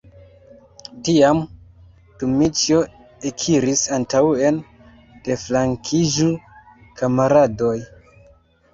Tiam Dmiĉjo ekiris antaŭen: "deflankiĝu, kamaradoj!"